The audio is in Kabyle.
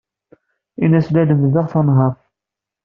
Ini-as la lemmdeɣ tanhaṛt.